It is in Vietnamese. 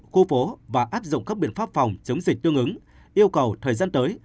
khu phố và áp dụng các biện pháp phòng chống dịch tương ứng yêu cầu thời gian tới